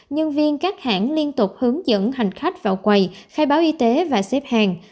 nhân viên các hãng liên tục hướng dẫn hành khách vào quầy khai báo y tế và xếp hàng